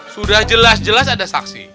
sudah jelas jelas ada saksi